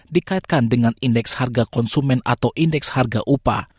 dikaitkan dengan indeks harga konsumen atau indeks harga upah